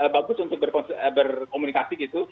bagus untuk berkomunikasi gitu